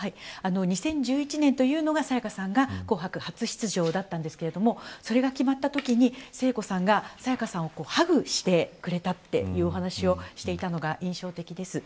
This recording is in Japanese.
２０１１年というのが沙也加さんが紅白初出場だったんですがそれが決まったときに聖子さんが沙也加さんをハグしてくれたというお話をしていたのが印象的です。